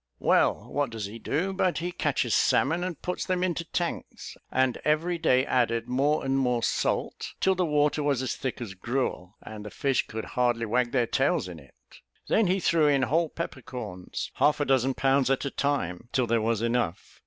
Well what does he do, but he catches salmon and puts them into tanks, and every day added more and more salt, till the water was as thick as gruel, and the fish could hardly wag their tails in it. Then he threw in whole pepper corns, half a dozen pounds at a time, till there was enough.